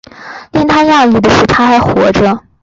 令他讶异的是她还活着